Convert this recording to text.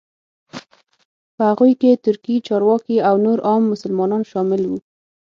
په هغوی کې ترکي چارواکي او نور عام مسلمانان شامل وو.